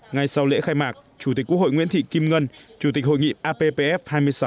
ngay sau lễ khai mạc chủ tịch quốc hội nguyễn thị kim ngân chủ tịch hội nghị appf hai mươi sáu